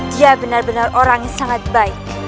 dia benar benar orang yang sangat baik